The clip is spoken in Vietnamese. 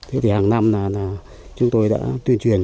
hàng năm chúng tôi đã tuyên truyền